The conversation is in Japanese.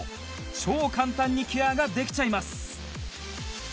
超簡単にケアができちゃいます